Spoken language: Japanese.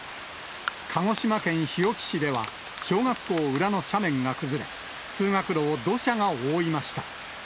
鹿児島県日置市では、小学校裏の斜面が崩れ、通学路を土砂が覆いました。